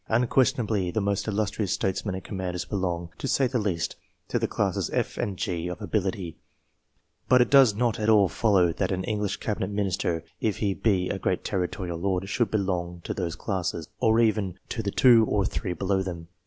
Unquestionably, the most illustrious statesmen and commanders belong, to say the least, to the classes F and G of ability; TWO CLASSIFICATIONS. 41 but it does not at all follow that an English cabinet minister, if he be a great territorial lord, should belong to those classes, or even to the two or three below them.